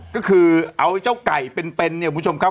ก็คือเอาเจ้าไก่เป็นเนี่ยคุณผู้ชมครับ